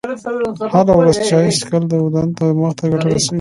هره ورځ چایی چیښل و بدن او دماغ ته ګټه رسوي.